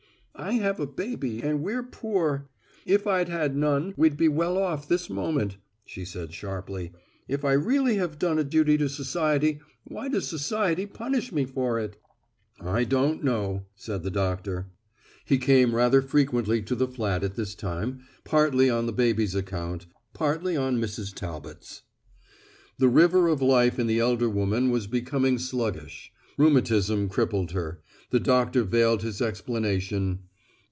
"I have a baby and we're poor. If I'd had none, we'd be well off this moment," she said sharply. "If I really have done a duty to society why does society punish me for it?" "I don't know," said the doctor. He came rather frequently to the flat at this time, partly on the baby's account, partly on Mrs. Talbot's. The river of life in the elder woman was becoming sluggish; rheumatism crippled her. The doctor veiled his explanation.